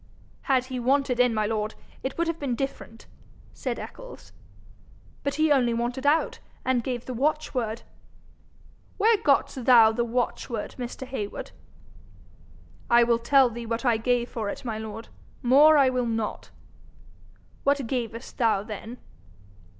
'Had he wanted in, my lord, it would have been different,' said Eccles. 'But he only wanted out, and gave the watchword.' 'Where got'st thou the watchword, Mr. Heywood?' 'I will tell thee what I gave for it, my lord. More I will not.' 'What gavest thou then?'